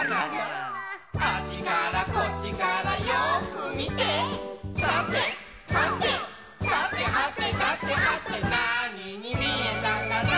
あっちからこっちからよくみてさてはてさてはてさてはてなににみえたかな